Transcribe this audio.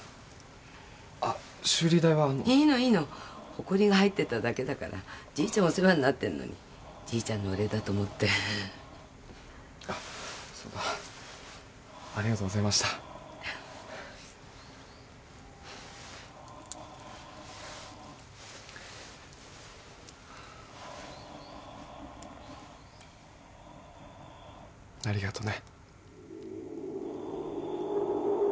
修理代はいいのホコリが入ってただけだからじいちゃんお世話になってるのにじいちゃんのお礼だと思ってそうだありがとうございましたありがとね